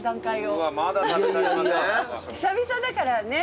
久々だからね。